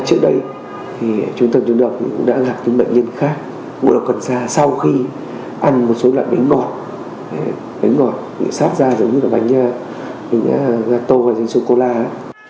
trước đó trung tâm đã tiếp nhận nhiều trường hợp ngộ độc cần sa trong bánh ngọt bánh quy kẹo thuốc lá điện tử thuốc lào